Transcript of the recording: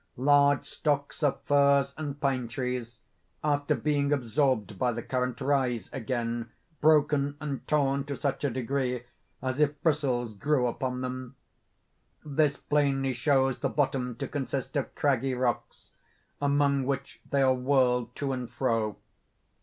Large stocks of firs and pine trees, after being absorbed by the current, rise again broken and torn to such a degree as if bristles grew upon them. This plainly shows the bottom to consist of craggy rocks, among which they are whirled to and fro.